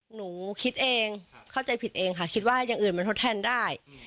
หนูคิดเองเข้าใจผิดเองค่ะคิดว่าอย่างอื่นมันทดแทนได้